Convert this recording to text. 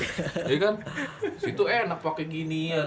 jadi kan situ enak pakai ginian